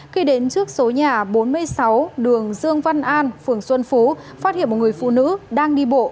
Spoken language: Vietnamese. khi đến trước số nhà bốn mươi sáu đường dương văn an phường xuân phú phát hiện một người phụ nữ đang đi bộ